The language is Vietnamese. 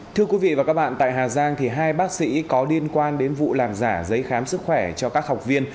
thưa quý vị và các bạn tại hà giang hai bác sĩ có liên quan đến vụ làm giả giấy khám sức khỏe cho các học viên